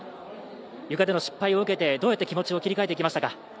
ゆかでの失敗を受けてどうやって気持ちを切り替えましたか。